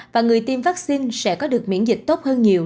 và người tiêm vaccine sẽ có được miễn dịch tốt hơn nhiều